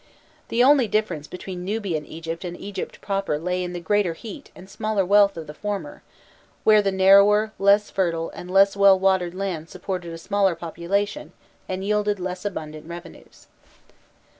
The only difference between Nubian Egypt and Egypt proper lay in the greater heat and smaller wealth of the former, where the narrower, less fertile, and less well watered land supported a smaller population and yielded less abundant revenues.